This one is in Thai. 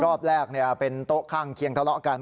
รอบแรกเป็นโต๊ะข้างเคียงทะเลาะกัน